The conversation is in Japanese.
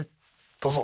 どうぞ！